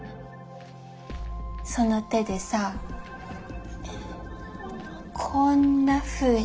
その手でさこんなふうに。